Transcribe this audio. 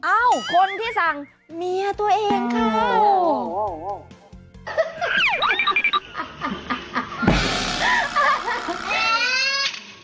เอ้าคนที่สั่งเมียตัวเองเข้า